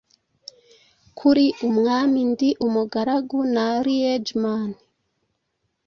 Kuri umwami Ndi umugaragu na liegeman